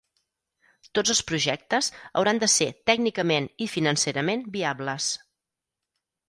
Tots els projectes hauran de ser tècnicament i financerament viables.